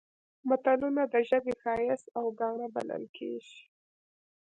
متلونه د ژبې ښایست او ګاڼه بلل کېږي